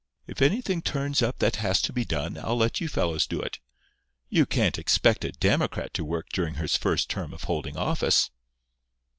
"If anything turns up that has to be done I'll let you fellows do it. You can't expect a Democrat to work during his first term of holding office."